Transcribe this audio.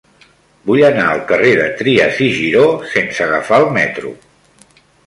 Vull anar al carrer de Trias i Giró sense agafar el metro.